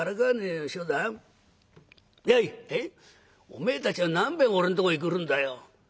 「おめえたちは何べん俺んとこへ来るんだよ。